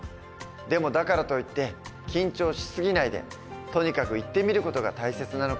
でもだからといって緊張し過ぎないでとにかく行ってみる事が大切なのかもしれない。